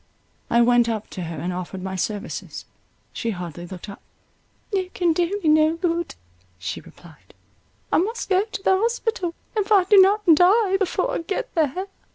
I went up to her and offered my services. She hardly looked up—"You can do me no good," she replied; "I must go to the hospital; if I do not die before I get there."